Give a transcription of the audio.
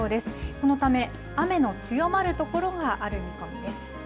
そのため、雨の強まる所がある見込みです。